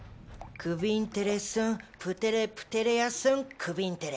クヴィンテレ・スン・プテレプテレアスン・クヴィンテレ。